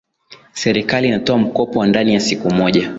serikali inatoa mkopo wa ndani ya siku moja